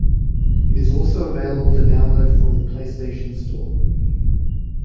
It is also available to download from the PlayStation Store.